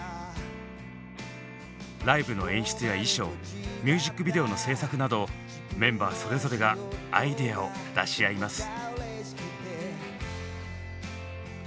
ライブの演出や衣装ミュージックビデオの制作などメンバーそれぞれがアイデアを出し合います。